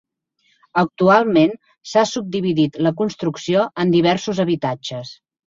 Actualment s'ha subdividit la construcció en diversos habitatges.